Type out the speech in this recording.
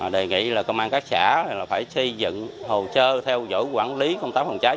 đề nghị là công an các xã phải xây dựng hồ sơ theo dõi quản lý công tác phòng cháy